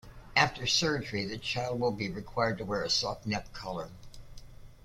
After surgery the child will be required to wear a soft neck collar.